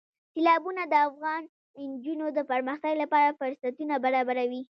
سیلابونه د افغان نجونو د پرمختګ لپاره فرصتونه برابروي.